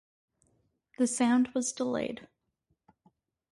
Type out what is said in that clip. The sound was delayed.